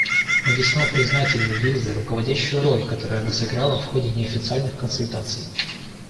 Мы весьма признательны ей за руководящую роль, которую она сыграла в ходе неофициальных консультаций.